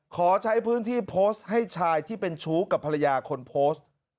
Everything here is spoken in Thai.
ขอใช้พื้นที่โพสต์ให้ชายที่เป็นชู้กับภรรยาคนโพสต์